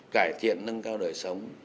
cải thiện nâng cao đời sống